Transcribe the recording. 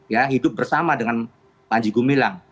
ya hidup bersama dengan panji gumilang